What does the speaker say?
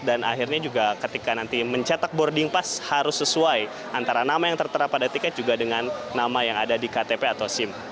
dan akhirnya juga ketika nanti mencetak boarding pass harus sesuai antara nama yang tertera pada tiket juga dengan nama yang ada di ktp atau sim